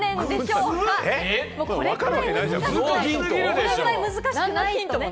これぐらい難しくないと。